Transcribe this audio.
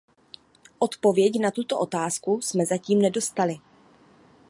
Odpověď na tuto otázku jsme zatím nedostali.